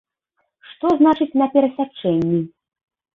Што значыць на перасячэнні?